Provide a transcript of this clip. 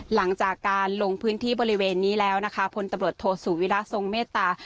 หลังจากการลงพื้นที่บริเวณนี้แล้วนะคะพลตำรวจโทษสุวิระทรงเมตตา